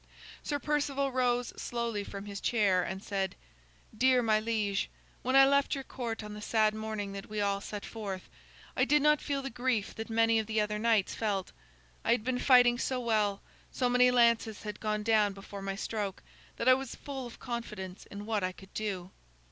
Sir Perceval rose slowly from his chair and said: "Dear my liege, when I left your court on the sad morning that we all set forth, I did not feel the grief that many of the other knights felt. I had been fighting so well, so many lances had gone down before my stroke, that I was full of confidence in what I could do.